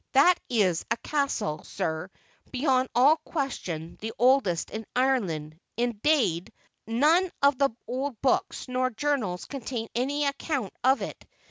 That is a castle, sir, beyond all question the oldest in Ireland; indade, none of the old books nor journals contain any account of it.